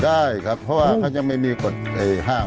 ได้ครับเพราะว่าเขายังไม่มีคนห้าม